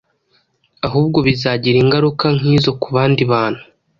ahubwo bizagira ingaruka nk’izo ku bandi bantu.